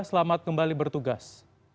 selamat kembali bertugas